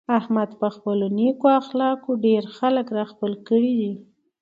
احمد په خپلو نېکو اخلاقو ډېر خلک را خپل کړي دي.